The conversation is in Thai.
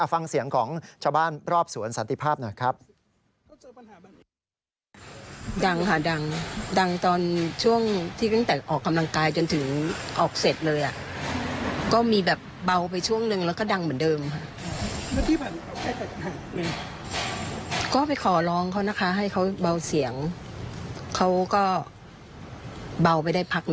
ฟังเสียงของชาวบ้านรอบสวนสันติภาพหน่อยครับ